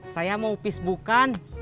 saya mau pis bukan